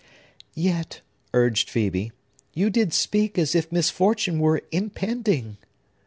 "Yet," urged Phœbe, "you did speak as if misfortune were impending!"